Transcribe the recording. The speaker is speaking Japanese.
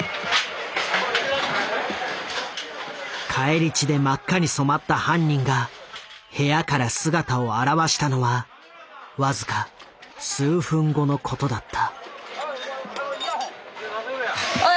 返り血で真っ赤に染まった犯人が部屋から姿を現したのはわずか数分後のことだった。